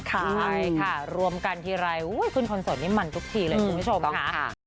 ค่ะรวมกันทีไรคุณคนโสดนี่มันทุกทีเลยคุณผู้ชมค่ะ